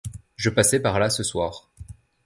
Je passais par là ce soir.